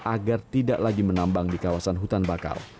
agar tidak lagi menambang di kawasan hutan bakau